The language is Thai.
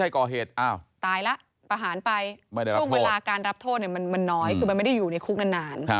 ก่อเหตุอ้าวตายแล้วประหารไปช่วงเวลาการรับโทษมันน้อยคือมันไม่ได้อยู่ในคุกนาน